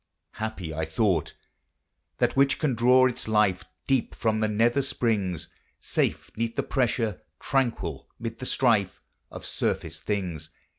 Happy, I thought, that which can draw its life Deep from the nether springs, Safe 'neath the pressure, tranquil mid the strife, Of surface things.